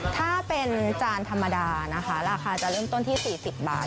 ถ้าเป็นจานธรรมดานะคะราคาจะเริ่มต้นที่๔๐บาท